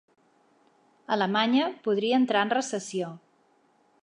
Alemanya podria entrar en recessió